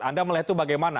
anda melihat itu bagaimana